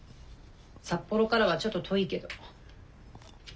札幌からはちょっと遠いけど。